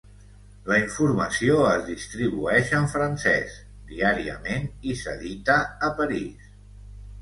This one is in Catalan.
La informació es distribueix en francès, diàriament i s'edita a París.